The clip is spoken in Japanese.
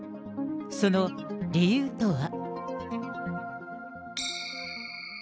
その理由とは。